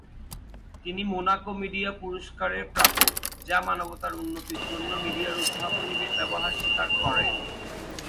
তিনি Monaco media পুরস্কারের প্রাপক, যা মানবতার উন্নতির জন্য মিডিয়ার উদ্ভাবনী ব্যবহার স্বীকার করে।